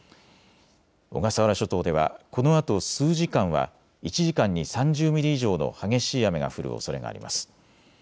小笠原諸島ではこのあと数時間は１時間に３０ミリ以上の激しい雨が降るおそれがあります。